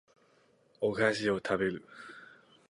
お菓子を食べる